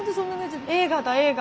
映画だ映画。